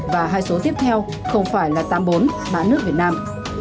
và hai số tiếp theo không phải là tám mươi bốn mã nước việt nam